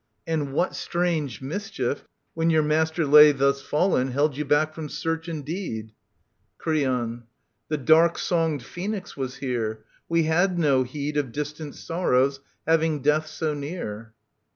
And what strange mischief, when your master lay Thus fallen, held you back from search and deed ? Creon. The dark songed Sphinx was here. We had no heed Of distant sorrows, having death so near.